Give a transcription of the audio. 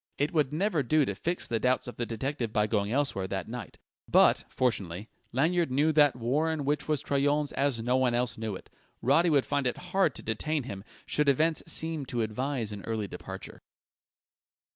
It would never do to fix the doubts of the detective by going elsewhere that night. But, fortunately, Lanyard knew that warren which was Troyon's as no one else knew it; Roddy would find it hard to detain him, should events seem to advise an early departure.